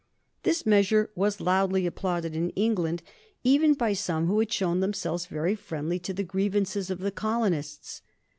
This measure was loudly applauded in England, even by some who had shown themselves very friendly to the grievances of the colonists.